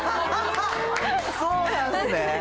そうなんすね。